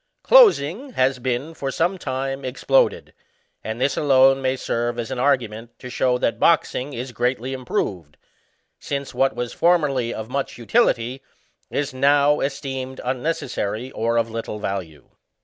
Closing has been for some time exploded ; and this alone may serve as an argument to show that boxing is greatly improved, since what was formerly of much utility is now esteemed unnecessary or of little value.